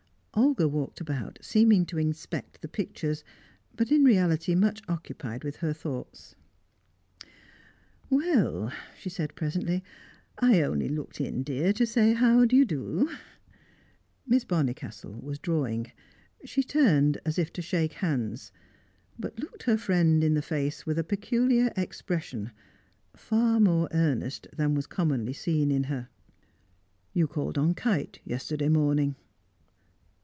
Olga walked about, seeming to inspect the pictures, but in reality much occupied with her thoughts. "Well," she said presently, "I only looked in, dear, to say how do you do." Miss Bonnicastle was drawing; she turned, as if to shake hands, but looked her friend in the face with a peculiar expression, far more earnest than was commonly seen in her. "You called on Kite yesterday morning."